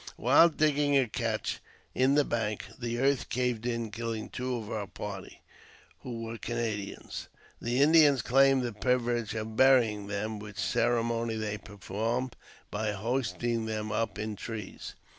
While digging a cache in the bank, the earth caved in, killing two of our party, who were Canadians. The Indians claimed the privilege of burying them, w^hich ceremony they performed by hoisting them up in trees.